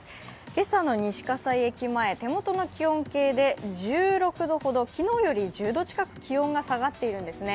今朝の西葛西駅前手元の気温計で１６度ほど昨日より１０度近く気温が下がっているんですよね。